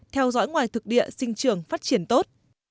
theo dõi ngoài thực địa sinh trưởng phát triển tốt